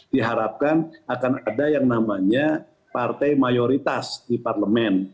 diharapkan akan ada yang namanya partai mayoritas di parlemen